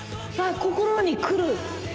心にくる。